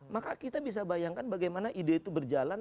maka kita bisa bayangkan bagaimana ide itu berjalan